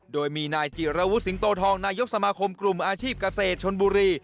โดยมีนายจิรวุสิงโตทองนายกสมาคมกลุ่มอาชีพเกษตรชนบุรี